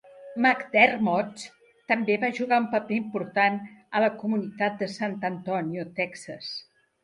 McDermott també va jugar un paper important a la comunitat de San Antonio, Texas.